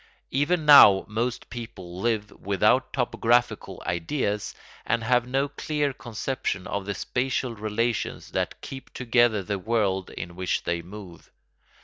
Even now most people live without topographical ideas and have no clear conception of the spatial relations that keep together the world in which they move.